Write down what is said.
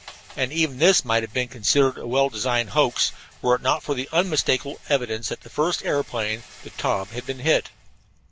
And even this might have been considered a well designed hoax, were it not for the unmistakable evidence that the first aeroplane, the Taube, had been hit.